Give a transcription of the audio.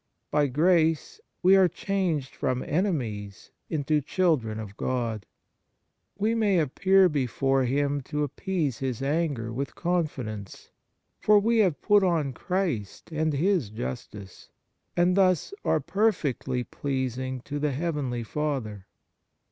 By grace we are changed from enemies into children of God; we may appear before Him, to appease His anger, with confidence, for 90 EFFECT AND FRUITS OF DIVINE GRACE we have put on Christ and His justice, and thus are perfectly pleasing to the heavenly Father.